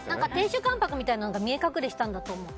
亭主関白みたいなのが見え隠れしたんだと思う。